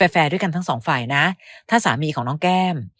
แฟร์ด้วยกันทั้งสองฝ่ายนะถ้าสามีของน้องแก้ม